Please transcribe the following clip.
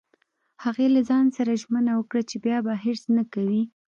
هغې له ځان سره ژمنه وکړه چې بیا به حرص نه کوي